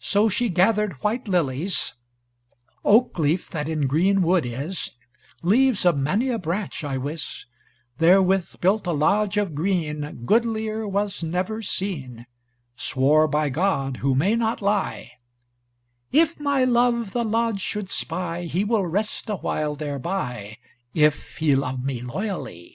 So she gathered white lilies, Oak leaf, that in green wood is, Leaves of many a branch I wis, Therewith built a lodge of green, Goodlier was never seen, Swore by God who may not lie, "If my love the lodge should spy, He will rest awhile thereby If he love me loyally."